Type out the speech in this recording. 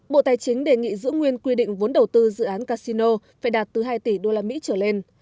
bộ tài chính đề nghị giữ nguyên quy định vốn đầu tư dự án casino phải đạt từ hai tỷ usd trở lên